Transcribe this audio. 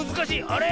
あれ？